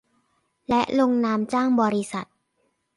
และลงนามจ้างบริษัท